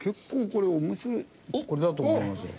これだと思いますよ。